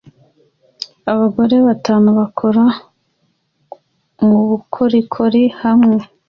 Abagore batanu bakora mubukorikori hamwe